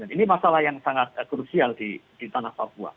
ini masalah yang sangat krusial di tanah papua